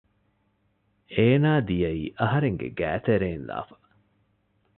އޭނާ ދިޔައީ އަހަރެންގެ ގައިތެރެއިންލާފަ